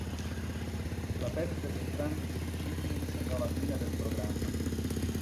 La perdita di entrambi i dirigibili segnò la fine del programma.